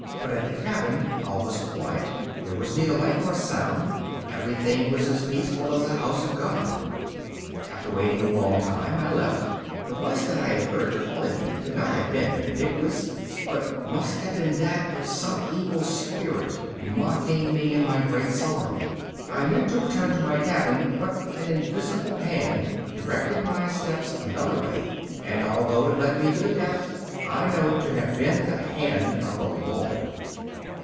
But at the cabin all was quiet; there was neither light nor sound; everything was as peaceful as a house of God. After waiting a long time I left. The voice that I had heard calling me could not have been Benedicta's, but must have been that of some evil spirit mocking me in my great sorrow. I meant to return to my cabin, but an invisible hand directed my steps another way; and although it led me to my death, I know it to have been the hand of the Lord.